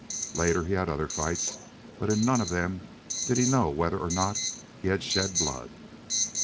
Later he had other fights, but in none of them did he know whether or not he had shed blood.